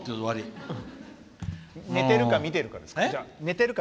寝てるか見てるかですね。